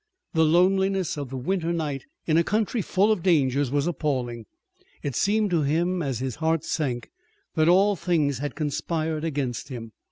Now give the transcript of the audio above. The loneliness of the winter night in a country full of dangers was appalling. It seemed to him, as his heart sank, that all things had conspired against him.